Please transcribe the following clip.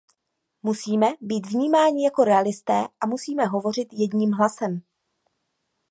Musíme být vnímáni jako realisté a musíme hovořit jedním hlasem.